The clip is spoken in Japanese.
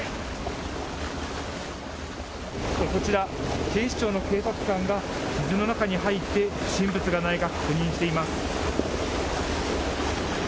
こちら、警視庁の警察官が水の中に入って、不審物がないか確認しています。